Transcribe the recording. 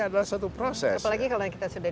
adalah suatu proses apalagi kalau kita sudah